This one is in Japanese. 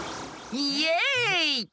イエーイ！